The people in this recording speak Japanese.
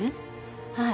はい。